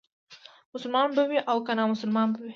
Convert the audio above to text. مسلمان به وي او که نامسلمان به وي.